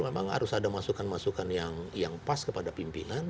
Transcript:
memang harus ada masukan masukan yang pas kepada pimpinan